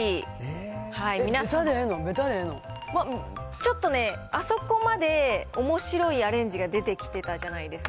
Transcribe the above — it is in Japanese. ちょっとね、あそこまでおもしろいアレンジが出てきてたじゃないですか。